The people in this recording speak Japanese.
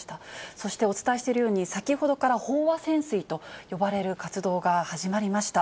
そしてお伝えしているように、先ほどから飽和潜水と呼ばれる活動が始まりました。